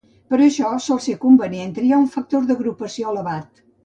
Per això, sol ser convenient triar un factor d'agrupació elevat.